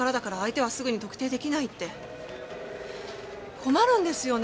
困るんですよね